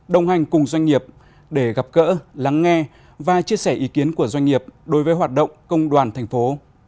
đồng hành cùng doanh nghiệp để gặp gỡ lắng nghe và chia sẻ ý kiến của doanh nghiệp đối với hoạt động công đoàn thành phố